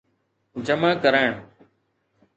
جمع ڪرائڻ